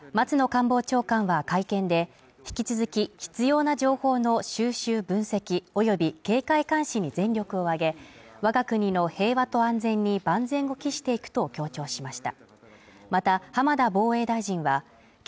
松野官房長官は会見で、引き続き必要な情報の収集分析および警戒監視に全力を挙げ、我が国の平和と安全に万全を期していくと強調しました。